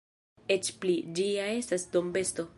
Eĉ pli: ĝi ja estas dombesto.